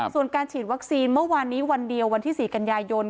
ส่วนการฉีดวัคซีนเมื่อวานนี้วันเดียววันที่๔กันยายน